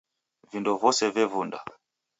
Vindo vose vevunda.